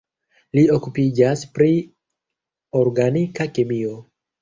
Li okupiĝas pri organika kemio.